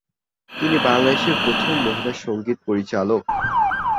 তিনি বাংলাদেশের প্রথম মহিলা সংগীত পরিচালক।